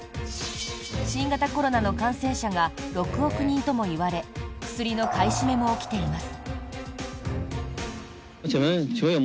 新型コロナの感染者が６億人ともいわれ薬の買い占めも起きています。